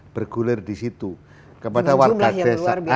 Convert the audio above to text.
bergulir di situ kepada warga desa